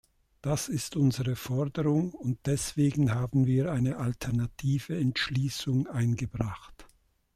Das ist unsere Forderung, und deswegen haben wir eine alternative Entschließung eingebracht.